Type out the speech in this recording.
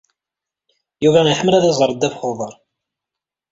Yuba iḥemmel ad iẓer ddabex uḍar.